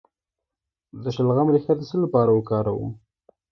د شلغم ریښه د څه لپاره وکاروم؟